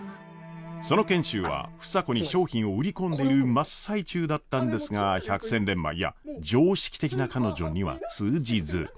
その賢秀は房子に商品を売り込んでいる真っ最中だったんですが百戦錬磨いや常識的な彼女には通じず。